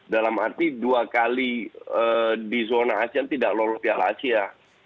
dalam arti dua kali di zona asean tidak lolos piala asia